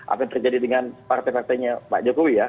apa yang terjadi dengan partai partainya pak jokowi ya